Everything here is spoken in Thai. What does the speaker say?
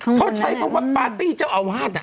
เขาใช้เพราะว่าปาร์ตี้เจ้าอาวาส